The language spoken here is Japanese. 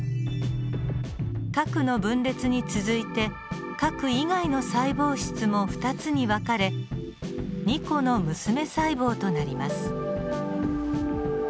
核の分裂に続いて核以外の細胞質も２つに分かれ２個の娘細胞となります。